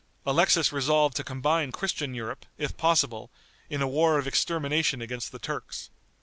Alexis resolved to combine Christian Europe, if possible, in a war of extermination against the Turks.